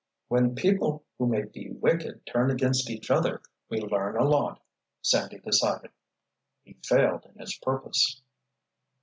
"When people who may be wicked turn against each other, we learn a lot," Sandy decided. He failed in his purpose.